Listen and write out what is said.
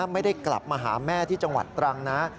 ไม่ได้กลับมาหาแม่ที่จังหวัดตรังนะ